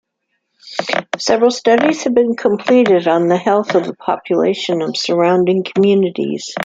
Several studies have been completed on the health of the population of surrounding communities.